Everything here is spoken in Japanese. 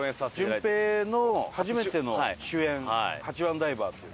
淳平の初めての主演『ハチワンダイバー』っていうね。